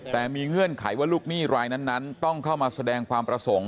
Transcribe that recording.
แต่มีเงื่อนไขว่าลูกหนี้รายนั้นต้องเข้ามาแสดงความประสงค์